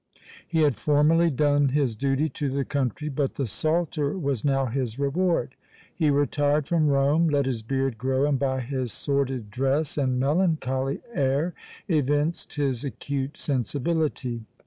He had formerly done his duty to the country, but the salter was now his reward! He retired from Rome, let his beard grow, and by his sordid dress and melancholy air evinced his acute sensibility.